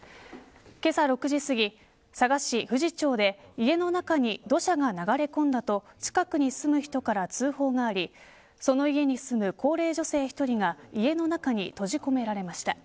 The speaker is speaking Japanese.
けさ６時すぎ、佐賀市富士町で家の中に土砂が流れ込んだと近くに住む人から通報がありその家に住む高齢女性１人が家の中に閉じ込められました。